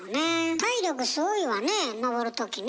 体力すごいわね上るときね。